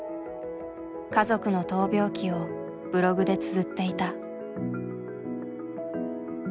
家族の闘病記をブログでつづっていた。